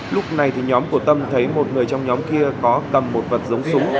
lúc này thì nhóm của tâm thấy một người trong nhóm kia có cầm một vật giống súng